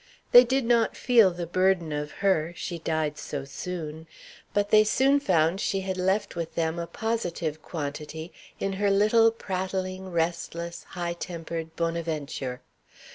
They did not feel the burden of her, she died so soon; but they soon found she had left with them a positive quantity in her little prattling, restless, high tempered Bonaventure.